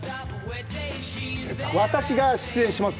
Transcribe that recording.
私が出演します